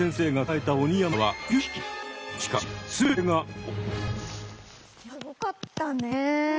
いやすごかったね。